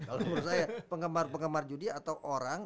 kalau menurut saya penggemar pengemar judi atau orang